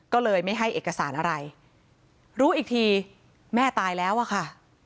ก็เลยไม่ให้เอกสารอะไรรู้อีกทีแม่ตายแล้วอะค่ะ